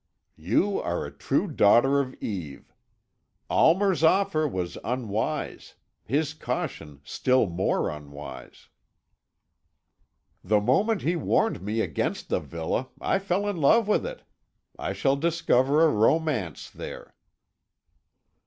"You are a true daughter of Eve. Almer's offer was unwise; his caution still more unwise." "The moment he warned me against the villa, I fell in love with it. I shall discover a romance there."